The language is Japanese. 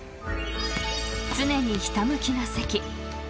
［常にひた向きな関］